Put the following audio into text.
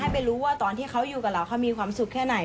ไปรู้ว่าตอนที่เขาอยู่กับเราเขามีความสุขแค่ไหน